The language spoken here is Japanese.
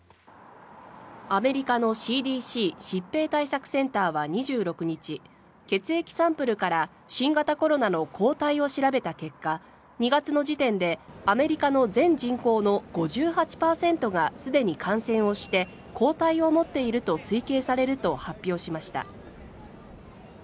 アメリカのＣＤＣ・疾病対策センターは２６日血液サンプルから新型コロナの抗体を調べた結果２月の時点でアメリカの全人口の５８％がすでに感染して抗体を持っていると推計されると発表しました。